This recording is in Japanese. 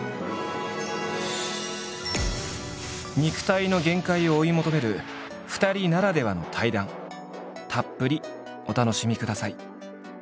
肉体の限界を追い求める２人ならではの対談たっぷりお楽しみください。